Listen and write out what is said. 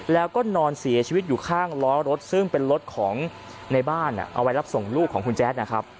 แล้วก็นอนเสียชีวิตอยู่ข้างล้อรถซึ่งเป็นรถของในบ้านเอาไว้รับส่งลูกของคุณแจ๊ดนะครับ